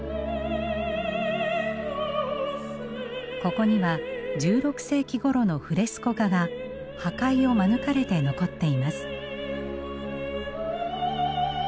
ここには１６世紀ごろのフレスコ画が破壊を免れて残っています。